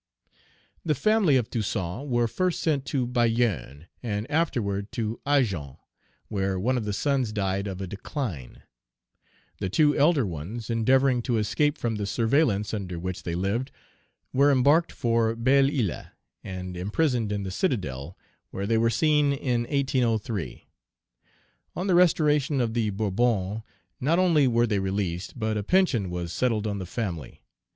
The family of Toussaint were first sent to Bayonne, and afterward to Agen, where one of the sons died of a decline. The two elder ones, endeavoring to escape from the surveillance under which they lived, were embarked for Belle Isle and imprisoned in the citadel, where they were seen in 1803. On the restoration of the Bourbons, not only were they released, but a pension was settled on the family.